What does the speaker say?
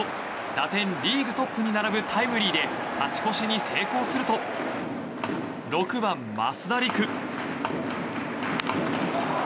打点リーグトップに並ぶタイムリーで勝ち越しに成功すると６番、増田陸。